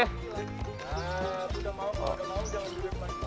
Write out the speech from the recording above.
nah kuda mau atau nggak mau jangan duduk lagi